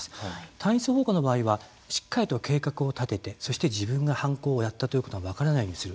単一放火の場合はしっかりと計画を立ててそして自分が犯行をやったということが分からないようにする。